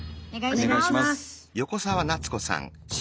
お願いします。